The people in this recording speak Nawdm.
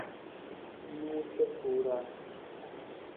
Nuusa ku ra.